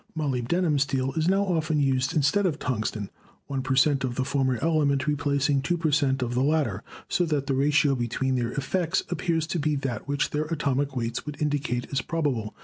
Molybdenum Steel is now often used instead of tung sten, 1 per cent, of the former element replacing 2 per cent, of the latter, so that the ratio between their effects appears to be that which their atomic weights would indicate as probable.